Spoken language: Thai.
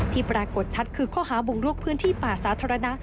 ที่ปรากฏชัดคือเข้าหาบวงลวกพื้นที่ป่าสาธารณะ